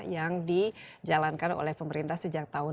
yang dijalankan oleh pemerintah sejak tahun dua ribu